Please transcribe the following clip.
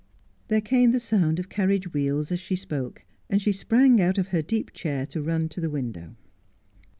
There came the sound of carriage wheels as she spoke, and she sprang out of her deep chair to run to the window.